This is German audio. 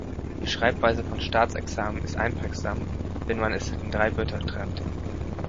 Die Schreibweise von Staatsexamen ist einprägsam, wenn man es in drei Wörter trennt.